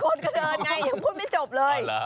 คนก็เดินไงยังพูดไม่จบเลย